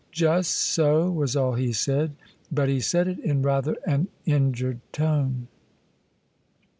'' Just so," was all he said : but he said it in rather an injured tone.